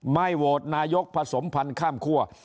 โหวตนายกผสมพันธ์ข้ามคั่ว